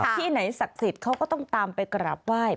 ที่ไหนศักดิ์สิทธิ์เขาก็ต้องตามไปกราบไหว้